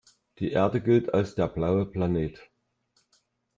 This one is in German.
Die Erde gilt als der „blaue Planet“.